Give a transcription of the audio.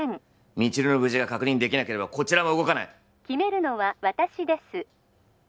未知留の無事が確認できなければこちらも動かない☎決めるのは私です